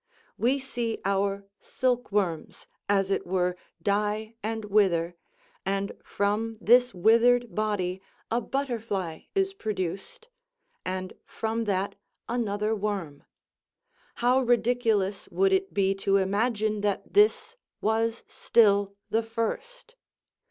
We see our silk worms, as it were, die and wither; and from this withered body a butterfly is produced; and from that another worm; how ridiculous would it be to imagine that this was still the first!